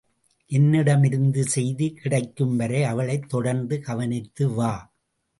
என்னிடமிருந்து செய்தி கிடைக்கும் வரை அவளைத் தொடர்ந்து கவனித்து வா.